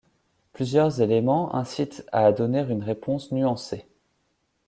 Plusieurs éléments incitent à donner une réponse nuancée.